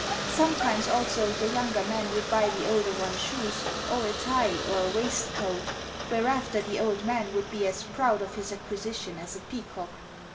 Sometimes, also, the younger man would buy the older one shoes, or a tie, or a waistcoat; whereafter, the old man would be as proud of his acquisition as a peacock.